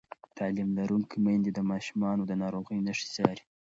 تعلیم لرونکې میندې د ماشومانو د ناروغۍ نښې څاري.